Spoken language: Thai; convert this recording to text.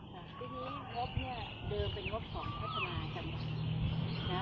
สร้างที่นี้รบเนี่ยเดินเป็นรบประมาณสองพัฒนาจันทราย